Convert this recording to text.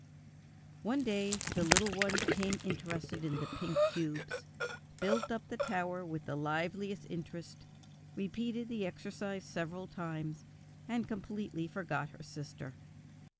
One day the little one became interested in the pink cubes, built up the tower with the liveliest interest, repeated the exercise several times, and completely forgot her sister.